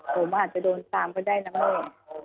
ผมอาจจะโดนตามก็ได้นะแม่